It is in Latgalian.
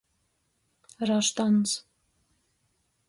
Raštants.